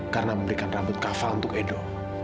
karena memberikan rambut kava untuk edo